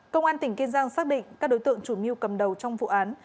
công an tỉnh kiên giang xác định các đối tượng chủ mưu cầm đầu trong vụ án